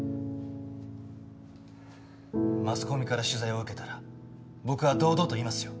マスコミから取材を受けたら僕は堂々と言いますよ。